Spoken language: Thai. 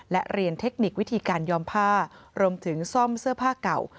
และเรียนเทคนิควิธีการยอมผ้ารวมถึงซ่อมเสื้อผ้าเก่า